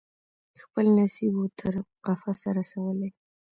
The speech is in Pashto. خپل نصیب وو تر قفسه رسولی